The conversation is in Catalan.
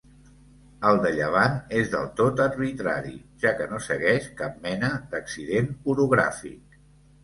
El de llevant és del tot arbitrari, ja que no segueix cap mena d'accident orogràfic.